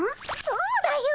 そうだよ。